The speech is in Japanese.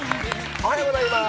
おはようございます。